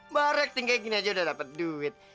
marek tinggal gini aja udah dapet duit